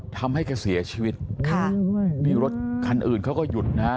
ทำให้แกเสียชีวิตค่ะนี่รถคันอื่นเขาก็หยุดนะฮะ